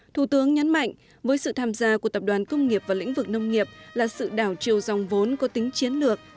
thủ tướng nhấn mạnh với sự tham gia của tập đoàn công nghiệp và lĩnh vực nông nghiệp là sự đảo chiều dòng vốn có tính chiến lược